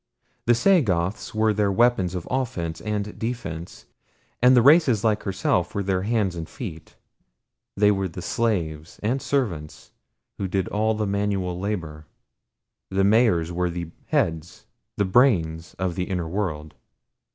The Sagoths were their weapons of offense and defense, and the races like herself were their hands and feet they were the slaves and servants who did all the manual labor. The Mahars were the heads the brains of the inner world.